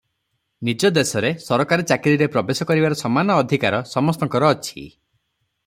ନିଜ ଦେଶରେ ସରକାରୀ ଚାକିରୀରେ ପ୍ରବେଶ କରିବାର ସମାନ ଅଧିକାର ସମସ୍ତଙ୍କର ଅଛି ।